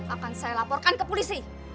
akan saya laporkan ke ibu kamu